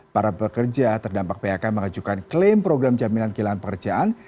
para pekerja terdampak pihaknya mengajukan klaim program jaminan kilang pekerjaan